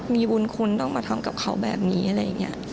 มีบุญคุณต้องมาทำกับเขาแบบนี้อะไรอย่างนี้